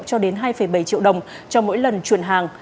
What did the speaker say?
cho đến hai bảy triệu đồng cho mỗi lần chuyển hàng